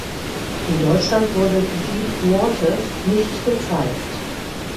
In Deutschland wurde "Deep Waters" nicht gezeigt.